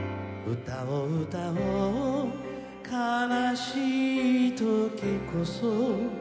「歌を歌おう悲しいときこそ」